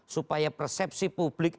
supaya persepsi publik